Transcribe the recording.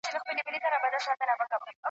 په ښکلیو نجونو چی ستایلی وم کابل نه یمه ..